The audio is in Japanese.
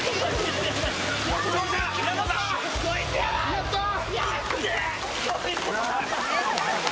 やったー！